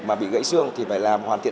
mà bị gãy xương thì phải làm hoàn thiện